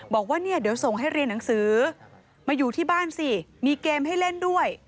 บอกว่าเนี่ยเดี๋ยวส่งให้เรียนหนังสือมาอยู่ที่บ้านสิมีเกมให้เล่นด้วย